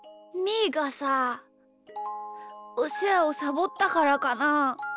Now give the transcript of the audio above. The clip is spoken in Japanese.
ーがさおせわをサボったからかな？